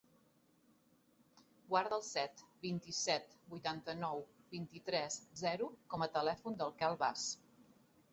Guarda el set, vint-i-set, vuitanta-nou, vint-i-tres, zero com a telèfon del Quel Bas.